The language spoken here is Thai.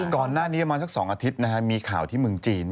ก่อนหน้านี้มาสัก๒อาทิตย์นะครับมีข่าวที่เมืองจีน